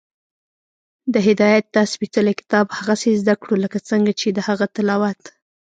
د هدایت دا سپېڅلی کتاب هغسې زده کړو، لکه څنګه چې د هغه تلاوت